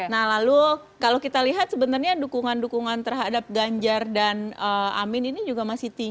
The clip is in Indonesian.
nah lalu kalau kita lihat sebenarnya dukungan dukungan terhadap ganjar dan amin ini juga masih tinggi